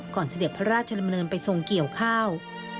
เสด็จพระราชดำเนินไปทรงเกี่ยวข้าว